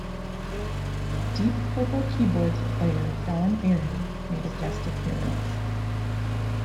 Deep Purple keyboards player Don Airey made a guest appearance.